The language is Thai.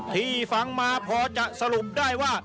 ที่ฟังมาพอจะสรุปได้ว่า